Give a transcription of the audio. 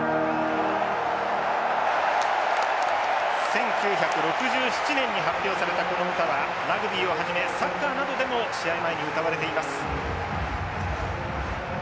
１９６７年に発表されたこの歌はラグビーをはじめサッカーなどでも試合前に歌われています。